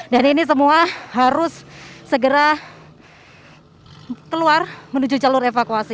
dan ini semua harus segera keluar menuju jalur evakuasi